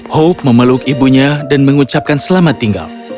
hope memeluk ibunya dan mengucapkan selamat tinggal